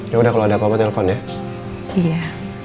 yaudah kalau ada apa apa telfon ya